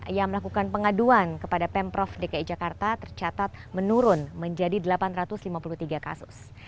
yang melakukan pengaduan kepada pemprov dki jakarta tercatat menurun menjadi delapan ratus lima puluh tiga kasus